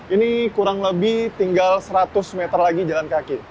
ini kurang lebih tinggal seratus meter lagi jalan kaki